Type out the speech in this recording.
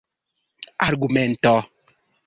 argumento